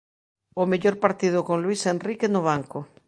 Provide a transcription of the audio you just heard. O mellor partido con Luís Enrique no banco.